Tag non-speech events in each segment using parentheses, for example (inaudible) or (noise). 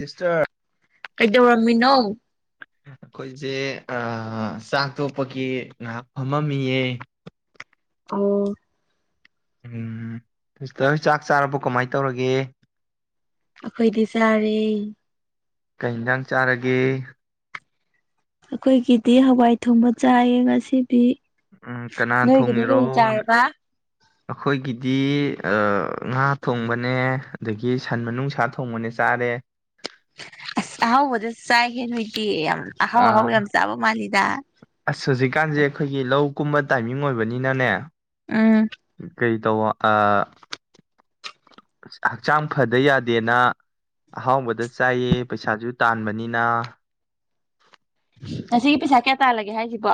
Sister. ꯀꯩꯗꯧꯔꯝꯃꯤꯅꯣ꯫ ꯑꯩꯈꯣꯏꯖꯦ ꯑ ꯆꯥꯛ ꯇꯣꯛꯄꯒꯤ ꯉꯩꯍꯥꯛ ꯐꯝꯃꯝꯃꯤꯌꯦ꯫ ꯑꯣ꯫ ꯎꯝ ꯁꯤꯁꯇꯔ ꯆꯥꯛ ꯆꯥꯔꯕꯣ ꯀꯃꯥꯏ ꯇꯧꯔꯒꯦ꯫ ꯑꯩꯈꯣꯏꯗꯤ ꯆꯥꯔꯦ꯫ ꯀꯩ ꯏꯟꯖꯥꯡ ꯆꯥꯔꯒꯦ꯫ ꯑꯩꯈꯣꯏꯒꯤꯗꯤ ꯍꯋꯥꯏ ꯊꯣꯡꯕ ꯆꯥꯏꯌꯦ ꯉꯁꯤꯗꯤ꯫ ꯎꯝ ꯀꯅꯥ ꯅꯣꯏꯒꯤꯗꯤ ꯊꯣꯡꯉꯤꯔꯣ꯫ ꯀꯔꯤ ꯆꯥꯔꯕ ꯑꯩꯈꯣꯏꯒꯤꯗꯤ ꯑ ꯉꯥ ꯊꯣꯡꯕꯅꯦ ꯑꯗꯒꯤ ꯁꯟ ꯃꯅꯨꯡꯁꯥ ꯊꯣꯡꯕꯅꯦ ꯆꯥꯔꯦ꯫ ꯑꯁ ꯑꯍꯥꯎꯕꯗ ꯆꯥꯏꯍꯦ ꯅꯣꯏꯗꯤ ꯌꯥꯝ ꯑꯍꯥꯎ ꯑꯍꯥꯎ ꯑꯥ ꯌꯥꯝ ꯆꯥꯕ ꯃꯥꯜꯂꯤꯗ ꯑꯁ ꯍꯧꯖꯤꯛꯀꯥꯟꯖꯦ ꯑꯩꯈꯣꯏꯒꯤ ꯂꯧ ꯀꯨꯝꯕ ꯇꯥꯏꯃꯤꯡ ꯑꯣꯏꯕꯅꯤꯅꯅꯦ ꯎꯝ ꯀꯩ ꯇꯧꯕ ꯑꯥ ꯍꯛꯆꯥꯡ ꯐꯗ ꯌꯥꯗꯦꯅ ꯑꯍꯥꯎꯕꯗ ꯆꯥꯏꯌꯦ ꯄꯩꯁꯥꯖꯨ ꯇꯥꯟꯕꯅꯤꯅ ꯉꯁꯤꯒꯤ ꯄꯩꯁꯥ ꯀꯌꯥ ꯇꯥꯜꯂꯒꯦ ꯍꯥꯏꯖꯤꯕꯣ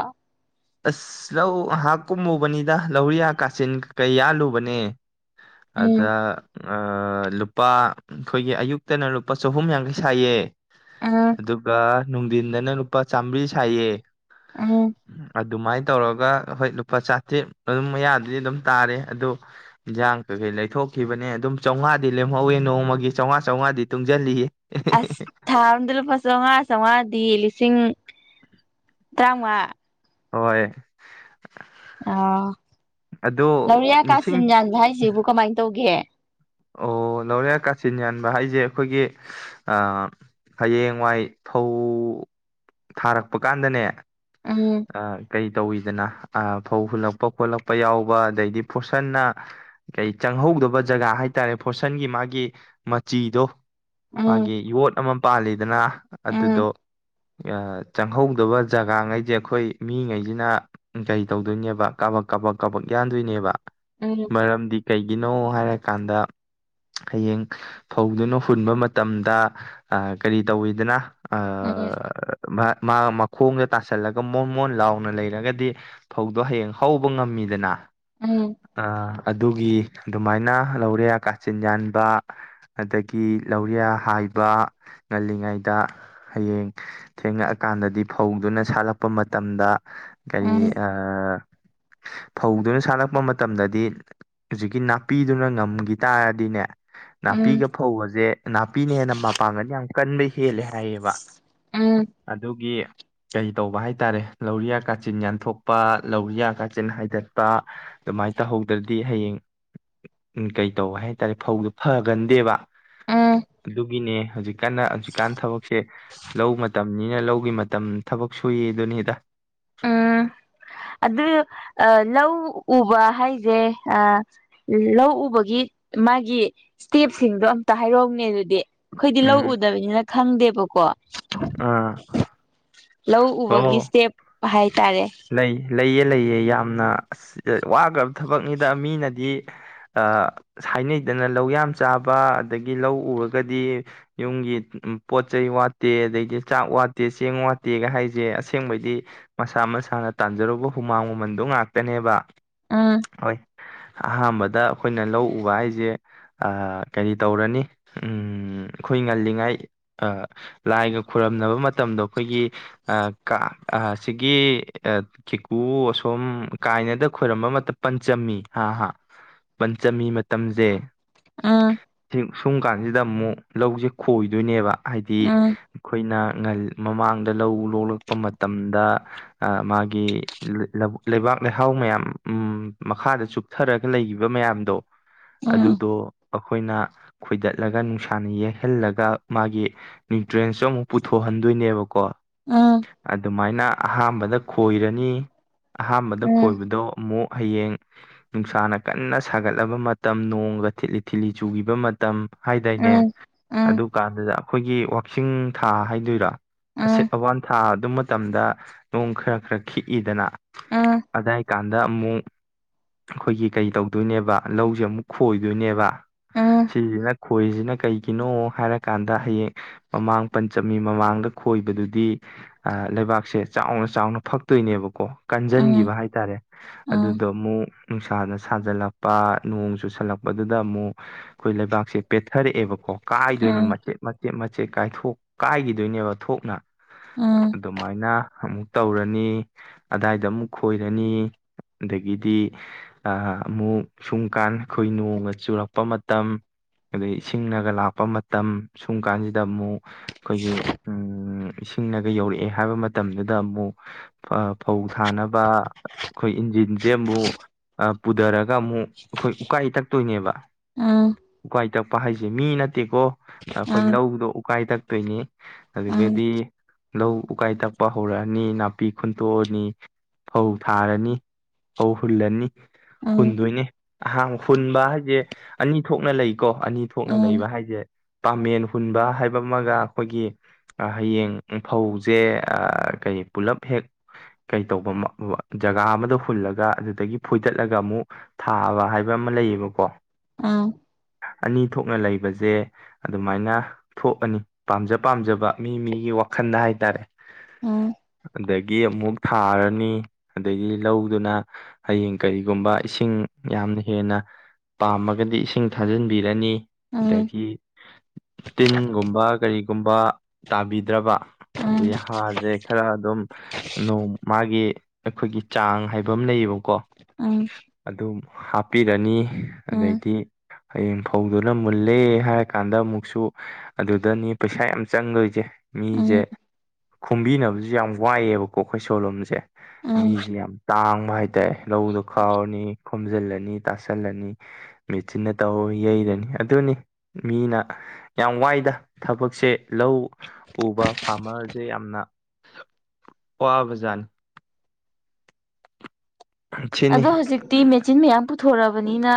ꯑꯁ ꯂꯧ ꯉꯍꯥꯛ ꯀꯨꯝꯃꯨꯕꯅꯤꯗ ꯂꯧꯔꯤꯌꯥ ꯀꯥꯆꯤꯟ ꯀꯩ ꯌꯥꯜꯂꯨꯕꯅꯦ ꯎꯝ ꯑꯗꯥ ꯑꯥ ꯂꯨꯄꯥ ꯑꯩꯈꯣꯏꯒꯤ ꯑꯌꯨꯛꯇꯅ ꯂꯨꯄꯥ ꯆꯍꯨꯝ ꯌꯥꯡꯈꯩ ꯁꯥꯏꯌꯦ ꯎꯝ ꯑꯗꯨꯒ ꯅꯨꯡꯗꯤꯟꯗꯅ ꯂꯨꯄꯥ ꯆꯥꯃꯔꯤ ꯁꯥꯏꯌꯦ ꯎꯝ ꯑꯗꯨꯃꯥꯏꯅ ꯇꯧꯔꯒ ꯍꯣꯏ ꯂꯨꯄꯥ ꯆꯥꯇ꯭ꯔꯦꯠ ꯑꯗꯨꯝ ꯃꯌꯥꯗꯗꯤ ꯑꯗꯨꯝ ꯇꯥꯔꯦ ꯑꯗꯨ ꯏꯟꯖꯥꯡ ꯀꯩꯀꯩ ꯂꯩꯊꯣꯛꯈꯤꯕꯅꯦ ꯑꯗꯨꯝ ꯆꯥꯎꯉꯥꯗꯤ ꯂꯦꯝꯍꯧꯋꯦ ꯅꯣꯡꯃꯒꯤ ꯆꯥꯎꯉꯥ ꯆꯥꯎꯉꯥꯗꯤ ꯇꯨꯡꯖꯤꯜꯂꯤꯌꯦ ꯑꯁ ꯊꯥ ꯑꯝꯗ ꯂꯨꯄꯥ ꯆꯥꯎꯉꯥ ꯆꯥꯎꯉꯥꯗꯤ ꯂꯤꯁꯤꯡ ꯇꯔꯥꯎꯉꯥ ꯍꯣꯏ ꯑꫭ ꯑꯗꯣ ꯂꯧꯔꯤꯌꯥ ꯂꯤꯁꯤꯡ ꯀꯥꯆꯤꯟ ꯌꯥꯟꯕ ꯍꯥꯏꯖꯤꯕꯨ ꯀꯃꯥꯏ ꯇꯧꯒꯦ ꯑꯣ ꯂꯧꯔꯤꯌꯥ ꯀꯥꯆꯤꯟ ꯌꯥꯟꯕ ꯍꯥꯏꯖꯦ ꯑꯩꯈꯣꯏꯒꯤ ꯑꯥ ꯍꯌꯦꯡꯋꯥꯏ ꯐꯧ ꯊꯥꯔꯛꯄ ꯀꯥꯟꯗꯅꯦ ꯎꯝ ꯑꯥ ꯀꯩ ꯇꯧꯋꯤꯗꯅ ꯑꯥ ꯐꯧ ꯍꯨꯜꯂꯛꯄ ꯈꯣꯠꯂꯛꯄ ꯌꯥꯎꯕ ꯑꯗꯩꯗꯤ ꯐꫭꯔꯁꯟꯅ ꯀꯩ ꯆꯪꯍꯧꯗꯕ ꯖꯒꯥ ꯍꯥꯏ ꯇꯥꯔꯦ ꯐꯣꯔꯁꯟꯒꯤ ꯃꯥꯒꯤ ꯃꯆꯤꯗꯣ ꯎꯝ ꯃꯥꯒꯤ ꯌꯣꯠ ꯑꯃ ꯄꯥꯜꯂꯤꯗꯅ ꯑꯗꯨꯗꯣ ꯎꯝ ꯆꯪꯍꯧꯗꯕ ꯖꯒꯥꯉꯩꯖꯦ ꯑꯩꯈꯣꯏ ꯃꯤꯉꯩꯖꯤꯅ ꯀꯩ ꯇꯧꯗꯣꯏꯅꯦꯕ ꯀꯥꯕꯛ ꯀꯥꯕꯛ ꯀꯥꯕꯛ ꯌꯥꯟꯗꯣꯏꯅꯦꯕ ꯎꯝ ꯃꯔꯝꯗꯤ ꯀꯩꯒꯤꯅꯣ ꯍꯥꯏꯔꯀꯥꯟꯗ ꯍꯌꯦꯡ ꯐꯧꯗꯨꯅ ꯍꯨꯟꯕ ꯃꯇꯝꯗ ꯑꯥ ꯀꯔꯤ ꯇꯧꯋꯤꯗꯅ ꯎꯝ ꯑꯥ ꯃꯥ ꯃꯈꯣꯡꯗ ꯇꯥꯁꯜꯂꯒ ꯃꯣꯟ ꯃꯣꯟ ꯂꯥꯎꯅ ꯂꯩꯔꯒꯗꯤ ꯐꯧꯗꯣ ꯍꯌꯦꯡ ꯍꯧꯕ ꯉꯝꯃꯤꯗꯅ ꯎꯝ ꯑꯥ ꯑꯗꯨꯒꯤ ꯑꯗꯨꯃꯥꯏꯅ ꯂꯧꯔꯤꯌꯥ ꯀꯥꯆꯤꯟ ꯌꯥꯟꯕ ꯑꯗꯒꯤ ꯂꯧꯔꯤꯌꯥ ꯍꯥꯏꯕ ꯉꯜꯂꯤꯉꯩꯗ ꯍꯌꯦꯡ ꯊꯦꯡꯉꯛꯑꯀꯥꯟꯗꯗꯤ ꯐꯧꯗꯨꯅ ꯁꯥꯠꯂꯛꯄ ꯃꯇꯝꯗ ꯀꯔꯤ ꯑꯥ (inaudible) ꯐꯧꯗꯨꯅ ꯁꯥꯠꯂꯛꯄ ꯃꯇꯝꯗꯗꯤ ꯍꯧꯖꯤꯛꯀꯤ ꯅꯥꯄꯤꯗꯨꯅ ꯉꯝꯒꯤ ꯇꯥꯔꯗꯤꯅꯦ ꯎꯝ ꯅꯥꯄꯤꯒ ꯐꯧꯒꯖꯦ ꯅꯥꯄꯤꯅ ꯍꯦꯟꯅ ꯃꯄꯥꯡꯒꯜ ꯌꯥꯝ ꯀꯟꯕ ꯍꯦꯜꯂꯦ ꯍꯥꯏꯌꯦꯕ ꯎꯝ ꯑꯗꯨꯒꯤ ꯀꯩ ꯇꯧꯕ ꯍꯥꯏꯇꯥꯔꯦ ꯂꯧꯔꯤꯌꯥ ꯀꯥꯆꯤꯟ ꯌꯥꯟꯊꯣꯛꯄ ꯂꯧꯔꯤꯌꯥ ꯀꯥꯆꯤꯟ ꯍꯥꯏꯗꯠꯄ ꯑꯗꯨꯃꯥꯏꯅ ꯇꯧꯍꯧꯗ꯭ꯔꯗꯤ ꯍꯌꯦꯡ ꯎꯝ ꯀꯩ ꯇꯧꯕ ꯍꯥꯏꯇꯥꯔꯦ ꯐꯧꯗꯣ ꯐꯒꯟꯗꯦꯕ ꯎꯝ ꯑꯗꯨꯒꯤꯅꯦ ꯍꯧꯖꯤꯛꯀꯥꯟ ꯅ ꯍꯧꯖꯤꯛꯀꯥꯟ ꯊꯕꯛꯁꯦ ꯂꯧ ꯃꯇꯝꯅꯤꯅ ꯂꯧꯒꯤ ꯃꯇꯝ ꯊꯕꯛ ꯁꯨꯏꯌꯦꯗꯨꯅꯤꯗ ꯎꯝ ꯑꯗꯨ ꯂꯧ ꯎꯕ ꯍꯥꯏꯖꯦ ꯑꯥ ꯂꯧ ꯎꯕꯒꯤ ꯃꯥꯒꯤ ꯏꯁꯇꯦꯞꯁꯤꯡꯗꯣ ꯑꯝꯇ ꯍꯥꯏꯔꯛꯎꯅꯦ ꯑꯗꯨꯗꯤ ꯑꯩꯈꯣꯏꯗꯤ ꯂꯧ ꯎꯝ ꯎꯗꯕꯅꯤꯅ ꯈꯪꯗꯦꯕꯀꯣ ꯑꯥ ꯂꯧ ꯎꯕꯒꯤ ꯍꯣ ꯏꯁꯇꯦꯞ ꯍꯥꯏꯇꯥꯔꯦ ꯂꯩ ꯂꯩꯌꯦ ꯂꯩꯌꯦ ꯌꯥꯝꯅ ꯑꯁ ꯋꯥꯒ꯭ꯔꯕ ꯊꯕꯛꯅꯤꯗ ꯃꯤꯅꯗꯤ ꯑꯥ ꯍꯥꯏꯅꯩꯗꯅ ꯂꯧꯌꯥꯝ ꯆꯥꯕ ꯑꯗꯒꯤ ꯂꯧ ꯎꯔꯒꯗꯤ ꯌꯨꯝꯒꯤ ꯄꯣꯠ ꯆꯩꯩ ꯋꯥꯠꯇꯦ ꯑꯗꯩꯗꯤ ꯆꯥꯛ ꯋꯥꯠꯇꯦ ꯆꯦꯡ ꯋꯥꯠꯇꯦꯒ ꯍꯥꯏꯖꯦ ꯑꯁꯦꯡꯕꯩꯗꯤ ꯃꯁꯥ ꯃꯁꯥꯅ ꯇꯥꯟꯖꯔꯨꯕ ꯍꯨꯃꯥꯡ ꯃꯃꯟꯗꯨ ꯉꯥꯛꯇꯅꯦꯕ ꯑꯥ ꯍꯣꯏ ꯑꯍꯥꯟꯕꯗ ꯑꯩꯈꯣꯏꯅ ꯂꯧ ꯎꯕ ꯍꯥꯏꯖꯦ ꯑꯥ ꯀꯔꯤ ꯇꯧꯔꯅꯤ ꯎꯝ ꯑꯩꯈꯣꯏ ꯉꯜꯂꯤꯉꯥꯏ ꯑ ꯂꯥꯏꯒ ꯈꯨꯔꯨꯝꯅꯕ ꯃꯠ ꯇꯝꯗꯣ ꯑꯩꯈꯣꯏꯒꯤ ꯑ ꯀꯥ ꯑꯥ ꯁꯤꯒꯤ ꯑꯥ ꯀꯦꯀꯨ ꯑꯁꯣꯝ ꯀꯥꯏꯅꯗ ꯈꯣꯏꯔꯝꯕ ꯃꯇꯝ ꯄꯟꯆꯝꯃꯤ ꯍꯥ ꯍꯥ ꯄꯟꯆꯝꯃꯤ ꯃꯇꯝꯖꯦ ꯑꯥ ꯊꯤꯡ ꯁꯨꯝ ꯀꯥꯟꯁꯤꯗ ꯑꯃꯨꯛ ꯂꯧꯖꯦ ꯈꯣꯏꯗꯣꯏꯅꯦꯕ ꯍꯥꯏꯗꯤ ꯎꯝ ꯑꯩꯈꯣꯏꯅ ꯉꯜ ꯃꯃꯥꯡꯗ ꯂꯧ ꯂꯣꯛꯂꯛꯄ ꯃꯇꯝꯗ ꯑ ꯃꯥꯒꯤ ꯂꯤ ꯂ ꯂꯝ ꯂꯩꯕꯥꯛ ꯂꯩꯍꯥꯎ ꯃꯌꯥꯝ ꯎꯝ ꯃꯈꯥꯗ ꯆꯨꯞ ꯆꯊꯔꯒ ꯂꯩꯒꯤꯕ ꯃꯌꯥꯝꯗꯣ ꯎꯝ ꯑꯗꯨꯗꯣ ꯑꯩꯈꯣꯏꯅ ꯈꯣꯏꯗꯠꯂꯒ ꯅꯨꯡꯁꯥꯅ ꯌꯦꯛꯍꯜꯂꯒ ꯃꯥꯒꯤ ꯅ꯭ꯌꯨꯇ꯭ꯔꯦꯟꯁꯨ ꯑꯃꯨꯛ ꯄꯨꯊꯣꯛꯍꯟꯗꯣꯏꯅꯦꯕꯀꯣ ꯑꯥ ꯑꯗꯨꯃꯥꯏꯅ ꯑꯍꯥꯝꯕꯗ ꯈꯣꯏꯔꯅꯤ ꯑꯍꯥꯝꯕꯗ ꯎꯝ ꯈꯣꯏꯕꯗꯣ ꯑꯃꯨꯛ ꯍꯌꯦꯡ ꯅꯨꯡꯁꯥꯅ ꯀꯟꯅ ꯁꯥꯒꯠꯂꯕ ꯃꯇꯝ ꯅꯣꯡꯒ ꯊꯤꯠꯂꯤ ꯊꯤꯠꯂꯤ ꯆꯨꯒꯤꯕ ꯃꯠ ꯃꯇꯝ ꯍꯥꯏꯗꯥꯏꯅꯦ ꯎꯝ ꯎꯝ ꯑꯗꯨ ꯀꯥꯟꯗꯨꯗ ꯑꯩꯈꯣꯏꯒꯤ ꯋꯥꯛꯆꯤꯡ ꯊꯥ ꯍꯥꯏꯗꯣꯏꯔꯥ ꯑꯁꯤꯠ ꯎꯝ ꯑꯋꯥꯟ ꯊꯥ ꯑꯗꯨ ꯃꯇꯝꯗ ꯅꯣꯡ ꯈꯔ ꯈꯔ ꯈꯤꯛꯏꯗꯅ ꯎꯝ ꯎꯝ ꯎꯝ ꯑꯗꯥꯏ ꯀꯥꯟꯗ ꯑꯃꯨꯛ ꯑꯩꯈꯣꯏꯒꯤ ꯀꯩ ꯇꯧꯗꯣꯏꯅꯦꯕ ꯂꯧꯖꯦ ꯑꯃꯨꯛ ꯈꯣꯏꯗꯣꯏꯅꯦꯕ ꯎꯝ ꯁꯤꯖꯤꯅ ꯈꯣꯏꯔꯤꯖꯤꯅ ꯀꯩꯒꯤꯅꯣ ꯍꯥꯏꯔꯀꯥꯟꯗ ꯍꯌꯦꯡ ꯃꯃꯥꯡ ꯄꯟꯆꯝꯃꯤ ꯃꯃꯥꯡꯗ ꯈꯣꯏꯕꯗꯨꯗꯤ ꯑꯥ ꯂꯩꯕꯥꯛꯁꯦ ꯆꯥꯎꯅ ꯆꯥꯎꯅ ꯐꯛꯇꯣꯏꯅꯦꯕꯀꯣ ꯀꯟꯖꯟꯒꯤꯕ ꯍꯥꯏꯇꯥꯔꯦ ꯎꯝ ꯎꯝ ꯑꯗꯨꯗꯣ ꯑꯃꯨꯛ ꯅꯨꯡꯁꯥꯅ ꯁꯥꯖꯜꯂꯛ ꯄ ꯅꯣꯡ ꯆꯨꯁꯜꯂꯛꯄꯗꯨꯗ ꯑꯃꯨꯛ ꯑꯩꯈꯣꯏ ꯂꯩꯕꯥꯛꯁꯦ ꯄꯦꯊꯔꯛꯑꯦꯕ ꯑꯣ ꯀꯥꯏꯗꯣꯏꯅꯤ ꯎꯝ ꯃꯆꯦꯠ ꯃꯆꯦꯠ ꯃꯆꯦꯠ ꯃꯆꯦꯠ ꯀꯥꯏꯊꯣꯛ ꯀꯥꯏꯒꯤꯗꯣꯏꯅꯦꯕ ꯊꯣꯛꯅ ꯎꯝ ꯑꯗꯨꯃꯥꯏꯅ ꯍꯃꯨꯛ ꯇꯧꯔꯅꯤ ꯑꯗꯥꯏꯗ ꯑꯃꯨꯛ ꯈꯣꯏꯔꯅꯤ ꯑꯗꯒꯤꯗꯤ ꯑ ꯑꯃꯨꯛ ꯁꯨꯝꯀꯥꯟ ꯑꯩꯈꯣꯏ ꯅꯣꯡꯒ ꯆꯨꯔꯛꯄ ꯃꯇꯝ ꯑꯗꯩ ꯏꯁꯤꯡꯅꯒ ꯂꯥꯛꯄ ꯃꯇꯝ ꯁꯨꯝ ꯀꯥꯟꯖꯤꯗ ꯑꯃꯨꯛ ꯑꯩꯈꯣꯏꯒꯤ ꯎ ꯏꯁꯤꯡꯅꯒ ꯌꯧꯔꯛꯑꯦ ꯍꯥꯏꯕ ꯃꯇꯝꯗꯨꯗ ꯑꯃꯨꯛ ꯑ ꯐꯧ ꯊꯥꯅꯕ ꯑꯩꯈꯣꯏ ꯏꯟꯖꯤꯟꯖꯦ ꯑꯕꯨ ꯄꯨꯗꯔꯛ ꯒ ꯑꯃꯨꯛ ꯑꯩꯈꯣꯏ ꯎꯀꯥꯏ ꯇꯛꯇꯣꯏꯅꯦꯕ ꯎꯝ ꯎꯝ ꯎꯝ ꯎꯀꯥꯏ ꯇꯛꯄ ꯍꯥꯏꯁꯦ ꯃꯤ ꯅꯠꯇꯦꯀꯣ ꯑ ꯑꯩꯈꯣꯏ ꯎꯝ ꯂꯧꯗꯣ ꯎꯀꯥꯏ ꯇꯛꯇꯣꯏꯅꯤ ꯎꯝ ꯑꯗꯨꯗꯗꯤ ꯂꯧ ꯎꯀꯥꯏ ꯇꯛ ꯄ ꯍꯧꯔꯛꯑꯅꯤ ꯅꯥꯄꯤ ꯈꯨꯨꯟꯇꯣꯛꯑꯅꯤ ꯐꯧ ꯊꯥꯔꯅꯤ ꯐꯧ ꯍꯨꯜꯂꯅꯤ ꯍꯨꯟꯗꯣꯏꯅꯦ ꯑꯍꯥꯡ ꯍꯨꯟꯕ ꯍꯥꯏꯖꯦ ꯑꯅꯤ ꯊꯣꯛꯅ ꯂꯩꯀꯣ ꯑꯅꯤ ꯊꯣꯛꯅ ꯎꯝ ꯂꯩꯕ ꯍꯥꯏꯖꯦ ꯄꯥꯃꯦꯟ ꯍꯨꯟꯕ ꯍꯥꯏꯕ ꯑꯃꯒ ꯑꯩꯈꯣꯏꯒꯤ ꯑ ꯍꯌꯦꯡ ꯐꯧꯖꯦ ꯑꯥ ꯀꯔꯤ ꯄꯨꯂꯞ ꯍꯦꯛ ꯀꯩꯇꯧꯕ ꯃ ꯑ ꯖꯒꯥ ꯑꯃꯗ ꯍꯨꯜꯂꯒ ꯑꯗꯨꯗꯒꯤ ꯐꯣꯏꯗꯠꯂꯒ ꯑꯃꯨꯛ ꯊꯥꯕ ꯍꯥꯏꯕ ꯑꯃ ꯂꯩꯌꯦꯕꯀꯣ꯫ ꯎꯝ꯫ ꯑꯅꯤ ꯊꯣꯛꯅ ꯂꯩꯕꯁꯦ ꯑꯗꯨꯃꯥꯏꯅ ꯊꯣꯛꯑꯅꯤ ꯄꯥꯝꯖ ꯄꯥꯝꯖꯕ ꯃꯤ ꯃꯤꯒꯤ ꯋꯥꯈꯟꯗ ꯍꯥꯏꯇꯥꯔꯦ꯫ ꯍꯥꯏ ꯑꯗꯒꯤ ꯑꯃꯨꯛ ꯊꯥꯔꯅꯤ ꯑꯗꯒꯤ ꯂꯧꯗꯨꯅ ꯍꯌꯦꯡ ꯀꯔꯤꯒꯨꯝꯕ ꯏꯁꯤꯡ ꯌꯥꯝꯅ ꯍꯦꯟꯅ ꯄꯥꯝꯃꯒꯗꯤ ꯏꯁꯤꯡ ꯊꯥꯖꯤꯟꯕꯤꯔꯅꯤ꯫ ꯎꯝ ꯎꯝ ꯑꯗꯒꯤ ꯇꯤꯟꯒꯨꯝꯕ ꯀꯔꯤꯒꯨꯝꯕ ꯇꯥꯕꯤꯗꯕ꯫ ꯑꯗꯩ ꯍꯥꯔꯁꯦ ꯈꯔ ꯑꯗꯨꯝ ꯅꯣꯡ ꯃꯥꯒꯤ ꯑꯩꯈꯣꯏꯒꯤ ꯆꯥꯡ ꯍꯥꯏꯕ ꯑꯃ ꯂꯩꯌꯦꯕꯀꯣ꯫ ꯑꯃ꯫ ꯑꯗꯨꯝ ꯍꯥꯞꯄꯤꯔꯅꯤ ꯑꯗꯩꯗꯤ ꯍꯌꯦꯡ ꯐꯧꯗꯨꯅ ꯃꯨꯜꯂꯦ ꯍꯥꯏꯔ ꯀꯥꯟꯗ ꯑꯃꯨꯛꯁꯨ ꯑꯗꯨꯗꯅꯤ ꯄꯩꯁꯥ ꯌꯥꯝ ꯆꯪꯗꯣꯏꯁꯦ ꯎꯝ ꯃꯤꯁꯦ꯫ ꯎꯝ ꯈꯣꯕꯤꯅꯕꯁꯨ ꯌꯥꯝ ꯋꯥꯏꯑꯦꯕꯀꯣ ꯑꯩꯈꯣꯏ ꯁꯣꯂꯣꯝꯁꯦ ꯎꯝ ꯃꯤꯁꯦ ꯌꯥꯝ ꯇꯥꯡꯕ ꯍꯥꯏ ꯇꯥꯏ ꯂꯧꯗꯣ ꯈꯥꯎꯔꯅꯤ ꯈꯣꯝꯖꯤꯜꯂꯅꯤ ꯇꯥꯁꯜꯂꯅꯤ꯫ ꯃꯦꯆꯤꯟꯅ ꯇꯧꯔ ꯌꯩꯔꯅꯤ ꯑꯗꯨꯅꯤ ꯃꯤꯅ ꯌꯥꯝ ꯋꯥꯏꯗ ꯊꯕꯛꯁꯦ ꯂꯧ ꯎꯕ ꯐꯥꯔꯃꯔꯁꯦ ꯌꯥꯝꯅ ꯋꯥꯕ ꯖꯥꯠꯅꯤ꯫ ꯁꯤꯅꯤ ꯑꯗꯣ ꯍꯧꯖꯤꯛꯇꯤ ꯃꯦꯆꯤꯟ ꯃꯌꯥꯝ ꯄꯨꯊꯣꯔꯛꯑꯕꯅꯤꯅ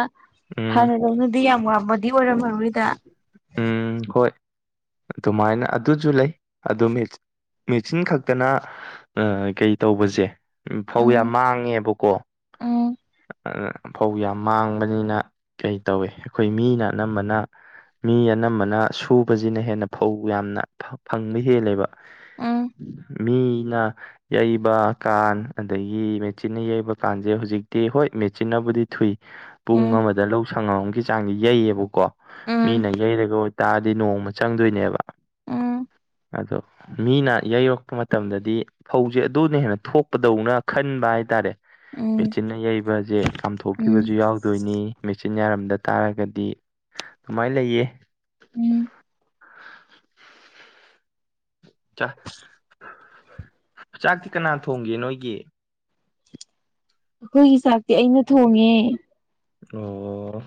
ꯎꯝ ꯍꯥꯟꯅ ꯗꯧꯅ ꯑꯗꯨꯗꯤ ꯌꯥꯝ ꯋꯥꯡꯕꯗꯤ ꯑꯣꯏꯔꯝꯃꯔꯣꯏꯗ꯫ ꯎꯝ ꯍꯣꯏ ꯑꯗꯨꯃꯥꯏꯅ ꯑꯗꯨꯁꯨ ꯂꯩ ꯑꯗꯨ ꯃꯦꯁ ꯃꯦꯆꯤꯟ ꯈꯛꯇꯅ ꯀꯩ ꯇꯧꯕꯁꯦ ꯐꯧ ꯎꯝ ꯌꯥꯝ ꯃꯥꯡꯉꯦꯕꯀꯣ꯫ ꯎꯝ꯫ ꯑꯗꯨꯅ ꯐꯧ ꯌꯥꯝ ꯃꯥꯡꯕꯅꯤꯅ ꯀꯩ ꯇꯧꯋꯤ ꯑꯩꯈꯣꯏ ꯃꯤꯅ ꯑꯅꯝꯕꯅ ꯃꯤ ꯑꯅꯝꯕꯅ ꯁꯨꯕꯁꯤꯅ ꯍꯦꯟꯅ ꯐꯧ ꯌꯥꯝꯅ ꯐꯪꯕ ꯍꯦꯜꯂꯦꯕ꯫ ꯎꯝ ꯃꯤꯅ ꯌꯩꯕ ꯀꯥꯟ ꯑꯗꯒꯤ ꯃꯦꯆꯤꯟꯅ ꯌꯩꯕ ꯀꯥꯟꯁꯦ ꯍꯧꯖꯤꯛ ꯇꯤ ꯍꯣꯏ ꯃꯦꯆꯤꯟꯅꯕꯨꯗꯤ ꯊꯨꯏ ꯄꯨꯡ ꯎꯝ ꯑꯃꯗ ꯂꯧ ꯁꯪꯒꯝ ꯑꯃꯒꯤ ꯆꯥꯡꯗꯤ ꯌꯩꯑꯕꯀꯣ꯫ ꯎꯝ ꯃꯤꯅ ꯌꯩꯔꯒ ꯑꯣꯏꯇꯥꯥꯔꯗꯤ ꯅꯣꯡꯃ ꯆꯪꯗꯣꯏꯅꯦꯕ ꯎꯝ ꯑꯗꯣ ꯃꯤꯅ ꯌꯩꯔꯛꯄ ꯃꯇꯝꯗꯗꯤ ꯐꯧꯁꯦ ꯑꯗꯨꯅ ꯍꯦꯟꯅ ꯊꯣꯛꯄꯗꯧꯅ ꯈꯟꯕ ꯍꯥꯏꯇꯥꯔꯦ꯫ ꯎꯝ ꯃꯦꯆꯤꯟꯅ ꯌꯩꯕꯁꯦ ꯎꯝ ꯀꯥꯝꯊꯣꯛꯈꯤꯕꯁꯨ ꯌꯥꯎꯗꯣꯏꯅꯤ꯫ ꯃꯦꯆꯤꯟ ꯌꯥꯔꯝꯗ ꯇꯥꯔꯒꯗꯤ ꯑꯗꯨꯃꯥꯏꯅ ꯂꯩꯌꯦ꯫ ꯎꯝ꯫ ꯆꯥ ꯆꯥꯛꯇꯤ ꯀꯅꯥꯅ ꯊꯣꯡꯒꯦ ꯅꯣꯏꯒꯤ꯫ ꯑꯩꯈꯣꯏꯒꯤ ꯆꯥꯛꯇꯤ ꯑꯩꯅ ꯊꯣꯡꯉꯦ꯫ ꯑꯣ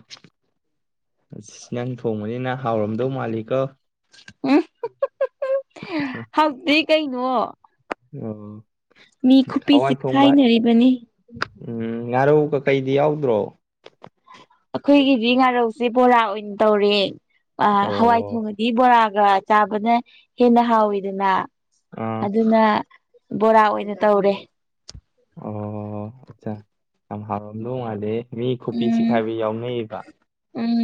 ꯑꯁ ꯅꯪ ꯊꯣꯡꯕꯅꯤꯅ ꯍꯥꯎꯔꯝꯗꯧ ꯃꯥꯜꯂꯤꯀꯣ꯫ ꯎ ꯍꯥꯎꯇꯗꯤ ꯀꯩꯅꯣ꯫ ꯑꯣ꯫ ꯃꯤ ꯈꯨꯄꯤ ꯍꯋꯥꯏ ꯊꯣꯡꯕ ꯆꯤꯛꯈꯥꯏꯅꯔꯤꯕꯅꯤ꯫ ꯎꯝ ꯉꯥꯔꯧ ꯀꯩꯀꯩꯗꯤ ꯌꯥꯎꯗ꯭ꯔꯣ꯫ ꯑꯩꯈꯣꯏꯒꯤꯗꯤ ꯉꯥꯔꯧꯁꯦ ꯕꯣꯔꯥ ꯑꯣꯏꯅ ꯇꯧꯔꯦ ꯍꯋꯥꯏ ꯑꯣ ꯊꯣꯡꯉꯗꯤ ꯕꯣꯔꯥꯒ ꯆꯥꯕꯅ ꯍꯦꯟꯅ ꯍꯥꯎꯋꯤꯗꯅ ꯑꯥ ꯑꯗꯨꯅ ꯕꯣꯔꯥ ꯑꯣꯏꯅ ꯇꯧꯔꯦ꯫ ꯑꯣ ꯑꯆꯥ ꯌꯥꯝ ꯍꯥꯎꯔꯝꯗꯣ ꯉꯥꯜꯂꯦꯍꯦ ꯃꯤ ꯈꯨꯕꯤ ꯎꯝ ꯆꯤꯈꯥꯏꯕ ꯌꯥꯎꯅꯩꯌꯦꯕ꯫ ꯎꯝ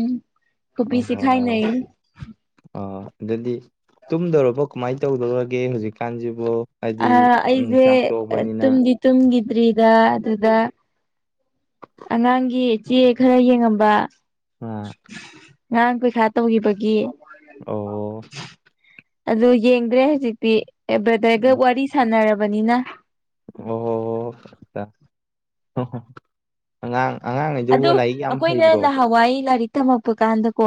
ꯈꯨꯄꯤ ꯑꯣꯍꯣ ꯆꯤꯛꯈꯥꯏꯅꯩꯌꯦ꯫ ꯑ ꯑꯗꯨꯗꯤ ꯇꯨꯝꯗꯧꯔꯕꯣ ꯀꯃꯥꯏꯅ ꯇꯧꯗꯧꯔꯒꯦ ꯍꯧꯖꯤꯛꯀꯥꯖꯤꯟꯕꯨ꯫ ꯑ ꯑꯩꯖꯦ ꯇꯨꯝꯗꯤ ꯇꯨꯝꯒꯤꯗ꯭ꯔꯤꯗ ꯑꯗꯨꯗ ꯑꯉꯥꯡꯒꯤ ꯆꯦ ꯈꯔ ꯌꯦꯡꯉꯝꯕ꯫ (unintelligible) ꯉꯔꯥꯡ ꯄꯩꯈꯥ ꯇꯧꯒꯤꯕꯒꯤ꯫ ꯑꯣ ꯑꯗꯨ ꯌꯦꯡꯗ꯭ꯔꯦ ꯍꯧꯖꯤꯛꯇꯤ ꯕ꯭ꯔꯥꯗꯔꯒ ꯎꯝ ꯋꯥꯔꯤ ꯁꯥꯟꯅꯔꯕꯅꯤꯅ꯫ ꯑꯣ (unintelligible) ꯑꯉꯥꯡ ꯑꯉꯥꯡꯉꯩꯗꯨꯕꯨ ꯂꯥꯏꯔꯤꯛ ꯌꯥꯝ ꯍꯩꯕ꯭ꯔꯣ (unintelligible) ꯅꯍꯥꯋꯥꯏ ꯂꯥꯏꯔꯤꯛ ꯇꯝꯃꯛꯄ ꯀꯥꯟꯗꯀꯣ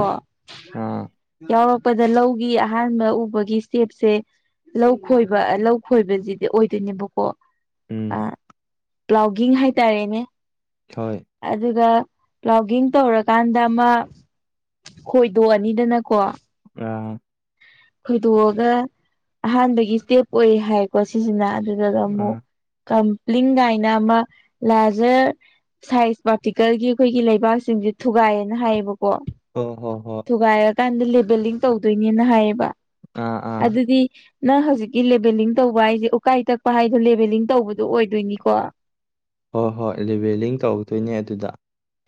ꯑꯥ ꯌꯥꯎꯔꯛ ꯔꯛꯄꯗ ꯂꯧꯒꯤ ꯑꯍꯥꯟꯕ ꯎꯕꯒꯤ ꯁꯇꯦꯞꯁꯦ ꯂꯧ ꯈꯣꯏꯕ ꯂꯧ ꯈꯣꯏꯕꯖꯤꯗꯤ ꯑꯣꯏꯗꯣꯏꯅꯦꯕꯀꯣ꯫ ꯎꯝ꯫ ꯭ꯄ꯭ꯂꯥꯎꯒꯤꯡ ꯍꯥꯏꯇꯥꯔꯦꯅꯦ꯫ ꯍꯣꯏ꯫ ꯑꯗꯨꯒ ꯄ꯭ꯂꯥꯎꯒꯤꯡ ꯇꯧꯔꯀꯥꯟꯗ ꯑꯃ ꯈꯣꯏꯗꯣꯛꯑꯅꯤꯗꯅꯀꯣ꯫ ꯑꯥ꯫ ꯈꯣꯏꯗꯣꯛꯑꯒ ꯑꯍꯥꯟꯕꯒꯤ ꯏꯁꯇꯦꯞ ꯑꯣꯏ ꯍꯥꯏꯀꯣ ꯁꯤꯁꯤꯅ ꯑꯗꯨꯗꯨꯒ ꯑꯥ ꯑꯃꯨꯛ ꯀꯝꯄ꯭ꯂꯤꯡ ꯒꯥꯏꯅ ꯑꯃ ꯂꯥꯖꯔ ꯁꯥꯏꯖ ꯄꯥꯔꯇꯤꯀꯜꯒꯤ ꯑꯩꯈꯣꯏꯒꯤ ꯂꯩꯕꯥꯛꯁꯤꯡꯁꯦ ꯊꯨꯒꯥꯏꯌꯦꯅ ꯍꯥꯏꯌꯦꯕꯀꯣ꯫ ꯑꯣ ꯍꯣ ꯍꯣ ꯊꯨꯒꯥꯏꯔꯀꯥꯟꯗ ꯂꯦꯕꯦꯂꯤꯡ ꯇꯧꯗꯣꯏꯅꯦꯅ ꯍꯥꯏꯌꯦꯕ ꯑꯥ ꯑꯥ ꯑꯗꯨꯗꯤ ꯅꯪ ꯍꯧꯖꯤꯛꯀꯤ ꯂꯦꯚꯦꯂꯤꯡ ꯇꯧꯕ ꯍꯥꯏꯖꯦ ꯎꯀꯥꯏ ꯇꯛꯄ ꯍꯥꯏꯗꯣ ꯂꯦꯚꯦꯂꯤꯡ ꯇꯧꯕꯗꯣ ꯑꯣꯏꯗꯣꯏꯅꯤꯀꯣ ꯍꯣꯏ ꯍꯣꯏ ꯂꯦꯚꯦꯂꯤꯡ ꯇꯧꯗꯣꯏꯅꯦ ꯑꯗꯨꯗ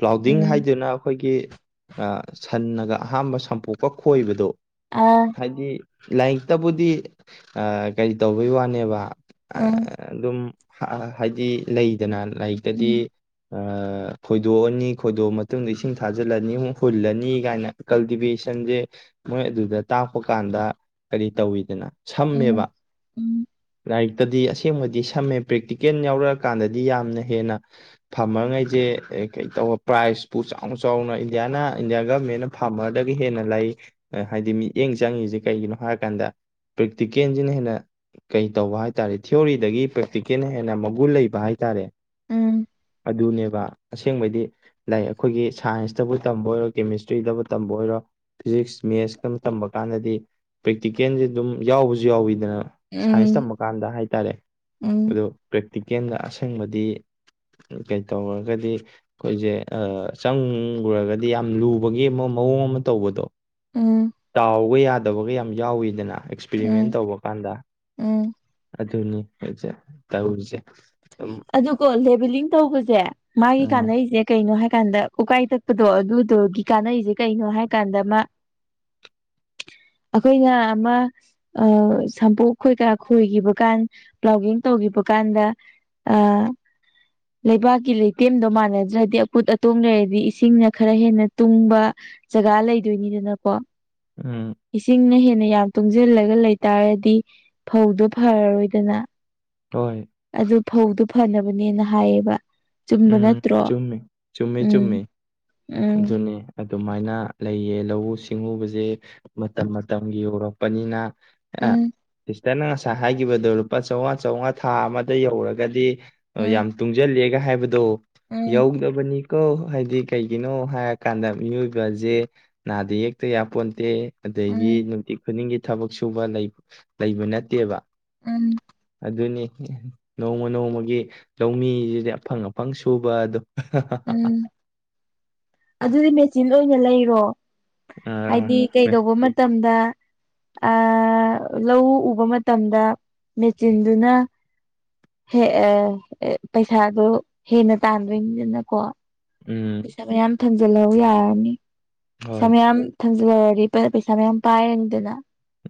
ꯀ꯭ꯂꯥꯎꯗꯤꯡ ꯎꯝ ꯍꯥꯏꯗꯨꯅ ꯑꯩꯈꯣꯏꯒꯤ ꯑꯥ ꯁꯟꯅꯉꯒ ꯑꯍꯥꯝꯕ ꯁꯝꯄꯣꯛꯀꯥ ꯈꯣꯏꯕꯗꯣ ꯑꯥ ꯍꯥꯏꯗꯤ ꯂꯥꯏꯔꯤꯛꯇꯕꯨꯗꯤ ꯀꯔꯤ ꯇꯧꯕꯩ ꯋꯥꯅꯦꯕ (unintelligible) ꯎꯝ ꯑꯗꯨꯝ ꯍꯥꯏꯗꯤ ꯂꯩꯗꯅ ꯂꯥꯏꯔꯤꯛꯇꯗꯤ ꯎꯝ (unintelligible) ꯈꯣꯏꯗꯣꯛꯑꯅꯤ ꯈꯣꯏꯗꯣꯛꯑ ꯃꯇꯨꯡꯗ ꯏꯁꯤꯡ ꯊꯥꯖꯤꯜꯂꯅꯤ ꯍꯨꯜꯂꯅꯤ ꯀꯥꯏꯅ ꯀꯜꯇꯤꯚꯦꯁꯟꯖꯦ ꯃꯣꯏ ꯑꯗꯨꯗ ꯇꯥꯛꯄ ꯀꯥꯟꯗ ꯀꯔꯤ ꯇꯧꯋꯤꯗꯅ ꯁꯝꯃꯦꯕ ꯎꯝ ꯂꯥꯏꯔꯤꯛꯇꯗꯤ ꯑꯁꯦꯡꯕꯗꯤ ꯁꯝꯃꯦ ꯄ꯭ꯔꯦꯛꯇꯤꯀꯦꯜ ꯌꯥꯎꯔꯛꯑꯀꯥꯟꯗꯗꯤ ꯌꯥꯝꯅ ꯍꯦꯟꯅ ꯐꯝꯃꯔꯉꯩꯁꯦ ꯀꯩ ꯇꯧꯕ ꯄ꯭ꯔꯥꯏꯖꯄꯨ ꯆꯥꯎꯅ ꯆꯥꯎꯅ ꯏꯟꯗꯤꯌꯥꯅ ꯏꯟꯗꯤꯌꯥ ꯒꯃꯦꯟꯅ ꯐꯥꯔꯃꯔꯗꯒꯤ ꯍꯦꯟꯅ ꯂꯩ ꯍꯥꯏꯗꯤ ꯃꯤꯠꯌꯦꯡ ꯆꯪꯉꯤꯖꯦ ꯀꯩꯒꯤꯅꯣ ꯍꯥꯏꯔ ꯀꯥꯟꯗ ꯄ꯭ꯔꯦꯛꯇꯤꯀꯦꯜꯖꯤꯅ ꯍꯦꯟꯅ ꯀꯩ ꯇꯧꯕ ꯍꯥꯏꯇꯥꯥꯔꯦ ꯊꯤꯑꯣꯔꯤꯗꯒꯤ (unintelligible) ꯄ꯭ꯔꯥꯛꯇꯤꯀꯦꯜꯅ ꯍꯦꯟꯅ ꯃꯒꯨꯟ ꯂꯩꯕ ꯍꯥꯏꯇꯥꯔꯦ ꯎꯝ ꯑꯗꯨꯅꯦꯕ ꯑꯁꯦꯡꯕꯩꯗꯤ ꯂꯥꯏ ꯑꯩꯈꯣꯏꯒꯤ ꯁꯥꯏꯟꯁꯇꯕꯨ ꯇꯝꯕ ꯑꯣꯏꯔꯣ ꯀꯦꯃꯤꯁꯇ꯭ꯔꯤꯗꯕꯨ ꯇꯝꯕ ꯑꯣꯏꯔꯣ ꯐꯤꯖꯤꯛꯁ ꯃꯦꯁꯀ ꯇꯝꯕ ꯀꯥꯟꯗꯗꯤ ꯄ꯭ꯔꯦꯛꯇꯤꯀꯦꯜꯖꯦ ꯑꯗꯨꯝ ꯌꯥꯎꯕꯁꯨ ꯌꯥꯎꯋꯤꯗꯅ ꯁꯥꯏꯟꯁ ꯎꯝ ꯇꯃ ꯀꯥꯟꯗ ꯍꯥꯏꯇꯥꯔꯦ ꯎꯝ ꯑꯗꯨ ꯄ꯭ꯔꯦꯛꯇꯤꯀꯦꯜꯗ ꯑꯁꯦꯡꯕꯗꯤ ꯀꯩ ꯇꯧꯔꯒꯗꯤ ꯑꯩꯈꯣꯏꯖꯦ ꯆꯪꯉꯨꯔꯒꯗꯤ ꯌꯥꯝ ꯂꯨꯕꯒꯤ ꯑꯃ ꯃꯑꯣꯡ ꯑꯃ ꯇꯧꯕꯗꯣ ꯎꯝ ꯎꯝ ꯇꯥꯎꯑ ꯌꯥꯗꯕꯒ ꯌꯥꯝ ꯌꯥꯎꯋꯤꯗꯅ ꯑꯦꯛꯁꯄꯔꯤꯃꯦꯟ ꯎꯝ ꯇꯧꯕ ꯀꯥꯟꯗ ꯎꯝ ꯑꯗꯨꯅꯤꯖꯦ (unintelligible) ꯇꯎꯔꯤꯖꯦ ꯑꯗꯨ ꯀ‌ꯣ ꯂꯦꯕ‌ꯦꯂꯤꯡ ꯇꯧꯕꯖ‌ꯦ ꯃꯥꯒꯤ ꯀꯥ ꯎꯝ ꯅꯩꯖ‌ꯦ ꯀꯩꯅꯣ ꯍꯥꯏ ꯀꯥꯟꯗ ꯎꯀꯥꯏ ꯇꯛꯄꯗꯣ ꯑꯗꯨꯗꯨꯒꯤ ꯀꯥꯅꯩꯖ‌ꯦ ꯀꯩꯅꯣ ꯍꯥꯏ ꯀꯥꯟꯗ ꯃꯥ ꯑꯈꯣꯏꯅ ꯑꯃꯥ ꯑ ꯁꯝꯄꯣꯛ ꯈꯣꯏ ꯀꯥ ꯈꯣꯏꯒꯤꯕ ꯀꯥꯟ ꯄꯂꯥꯎꯒꯤꯡ ꯇꯧꯒꯤꯕ ꯀꯥꯟꯗ ꯑꯥ ꯂꯩꯕꯥꯛꯀꯤ ꯂꯩꯇꯦꯝꯗꯣ ꯃꯥꯟꯅꯗ꯭ꯔꯗꯤ ꯑꯀꯨꯠ ꯑꯇꯣꯡ ꯂꯩꯔꯗꯤ ꯏꯁꯤꯡꯅ ꯈꯔ ꯍꯦꯟꯅ ꯇꯨꯡꯕ ꯖꯒꯥ ꯂꯩꯗꯣꯏ ꯅꯤꯗꯅ ꯀꯣ ꯎꯝ ꯏꯁꯤꯡꯅ ꯍꯦꯟꯅ ꯌꯥꯝ ꯇꯨꯡꯖꯤꯜꯂꯒ ꯂꯩꯇꯥꯔꯗꯤ ꯐꯧꯗꯣ ꯐꯔꯔꯣꯏꯗꯅꯥ ꯇ‌ꯣꯏ ꯑꯗꯨ ꯐꯧꯗꯨ ꯐꯅꯕꯅꯦꯅ ꯍꯥꯏꯌꯦꯕ ꯆꯨꯝꯕ ꯎꯝ ꯅꯠꯇ꯭ꯔꯣ ꯆꯨꯝꯃꯤ ꯆꯨꯝꯃꯤ ꯎꯝ ꯆꯨꯝꯃꯤ ꯎꯝ ꯑꯗꯨꯅꯦ ꯑꯗꯨꯃꯥꯏꯅ ꯂꯩꯌꯦ ꯂꯧꯎ ꯁꯤꯡꯎꯕꯖ‌ꯦ ꯃꯇꯝ ꯃꯇꯝꯒꯤ ꯌꯧꯔꯛꯄꯅꯤꯅ ꯑ‌ꯦꯑꯥ ꯎꯝ ꯏꯁ ꯇꯅ ꯉꯁꯥꯏ ꯍꯥꯏꯒꯤꯕꯗꯣ ꯂꯨꯄꯥ ꯆꯧꯉꯥ ꯆꯧꯉꯥ ꯊꯥ ꯑꯃꯥꯗꯩ ꯌꯧꯔꯒꯗꯤ ꯑꯥ ꯎꯝ ꯌꯥꯝ ꯇꯨꯡꯖꯜꯂꯦꯒ ꯍꯥꯏꯕꯗꯣ ꯎꯝ ꯌꯧꯗꯕꯅꯤ ꯀ‌‌ꯣ ꯍꯥꯏꯗꯤ ꯀꯩꯒꯤꯅꯣ ꯍꯥꯏꯔ ꯀꯥꯟꯗ ꯃꯤꯌ‌ꯣꯏꯕꯖ‌ꯦ ꯅꯥꯗ ꯌꯦꯛꯇ ꯌꯥꯄꯣꯟꯇꯦ ꯑꯗꯩꯒꯤ ꯎꯝ ꯅꯨꯡꯇꯤ ꯈꯨꯗꯤꯡꯒꯤ ꯊꯕꯛ ꯁꯨꯕ ꯂꯩ ꯂꯩꯕ ꯅꯠꯇꯦꯕ ꯎꯝ ꯑꯗꯨꯅꯤ ꯅꯣꯡꯃꯥ ꯅꯣꯡꯃꯥꯒꯤ ꯂꯧ ꯃꯤꯖꯤꯗꯤ ꯑꯐꯪ ꯑꯐꯪ ꯁꯨꯕ ꯑꯗꯨ (unintelligible) ꯎꯝ ꯑꯗꯨꯗꯤ ꯃꯦꯆꯤꯟ ꯑꯣꯏꯅ ꯂꯩꯔꯣ ꯑ ꯍꯥꯏꯗꯤ ꯀꯩꯗꯧꯕ ꯃꯠꯇꯝꯗꯥ ꯑꯥ ꯂꯧ ꯎꯕ ꯃꯠꯇꯝꯗ ꯃꯦꯆꯤꯟꯗꯨꯅ ꯍ‌ꯦ ꯑ‌ꯦ ꯑ‌‌ꯦ ꯄꯩꯁꯥꯗꯣ ꯍꯦꯟꯅ ꯇꯥꯟꯗꯣꯏ ꯅꯤꯗꯅꯀꯣ ꯎꯝ ꯄꯩꯁꯥ ꯃꯌꯥꯝ ꯊꯝꯖꯤꯜꯂꯧ ꯌꯥꯔꯅꯤ ꯄꯩꯁꯥ ꯍꯣꯏ ꯃꯌꯥꯝ ꯊꯝꯖꯤꯜ ꯍꯧꯔꯗꯤ ꯄ ꯄꯩꯁꯥ ꯃꯌꯥꯝ ꯄꯥꯏꯔꯅꯤꯗꯅ